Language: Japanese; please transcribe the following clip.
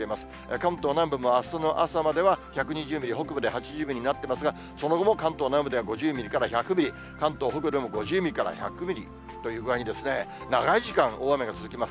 関東南部もあすの朝までは１２０ミリ、北部で８０ミリになってますが、その後も関東南部では５０ミリから１００ミリ、関東北部でも５０ミリから１００ミリという具合にですね、長い時間、大雨が続きます。